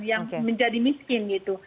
yang menjadi miskin gitu